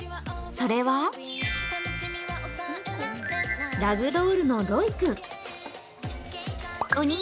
それは、ラグドールのロイ君。